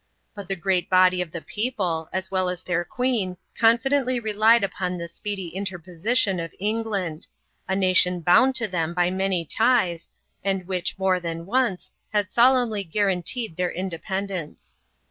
But the great body of tlie people, as well as their queen, confidently relied upon fb» speedy interposition of England — a nation bound to them liy many ties, and which, more than once, had solemnly gmraBteed their independence.